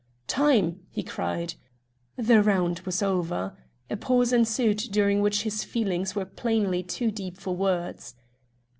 "Time!" he cried. The round was over. A pause ensued, during which his feelings were plainly too deep for words.